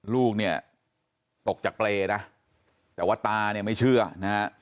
ลูกเนี่ยตกจากเปรย์นะแต่ว่าตาเนี่ยไม่เชื่อนะฮะ